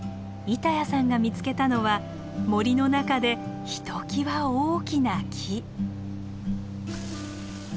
板谷さんが見つけたのは森の中でひときわ大きな木。